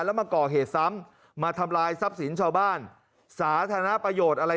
แล้วมาก่อเหตุซ้ำมาทำลายทรัพย์สินชาวบ้านสาธารณประโยชน์อะไร